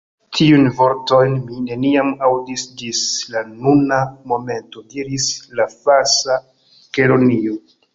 "Tiujn vortojn mi neniam aŭdis ĝis la nuna momento," diris la Falsa Kelonio.